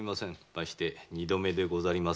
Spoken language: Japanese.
まして二度目でござりますゆえ。